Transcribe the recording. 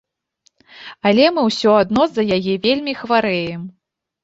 Але мы ўсё адно за яе вельмі хварэем.